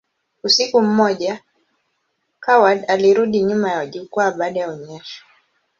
Usiku mmoja, Coward alirudi nyuma ya jukwaa baada ya onyesho.